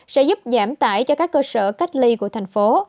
sẽ giúp giảm tải cho các cơ sở cách ly của thành phố